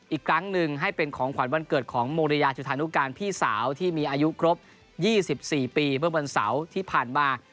อีกครั้งหนึ่งให้เป็นของขวัญวันเกิดของโมริยาจุธานุการพี่สาวที่มีอายุครบ๒๔ปีเมื่อวันเสาร์ที่ผ่านมา